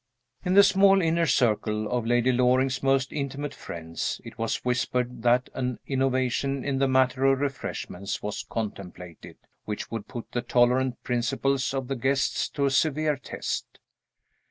In the small inner circle of Lady Loring's most intimate friends, it was whispered that an innovation in the matter of refreshments was contemplated, which would put the tolerant principles of the guests to a severe test.